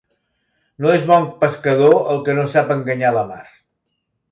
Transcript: No és bon pescador el que no sap enganyar la mar.